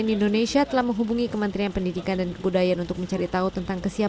sia nen indonesia telah menghubungi kementerian pendidikan dan kebudayaan untuk mencari tahu tentang kesihatan